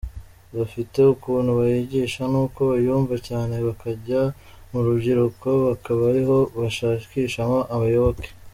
Bafite ukuntu bayigisha n’uko bayumva, cyane bakajya mu rubyiruko, bakaba ariho bashakishamo abayoboke.